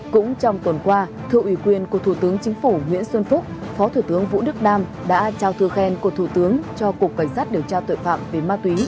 cũng trong tuần qua thư ủy quyền của thủ tướng chính phủ nguyễn xuân phúc phó thủ tướng vũ đức đam đã trao thư khen của thủ tướng cho cục cảnh sát điều tra tội phạm về ma túy